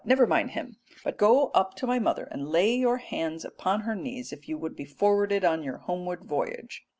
Never mind him, but go up to my mother and lay your hands upon her knees, if you would be forwarded on your homeward voyage."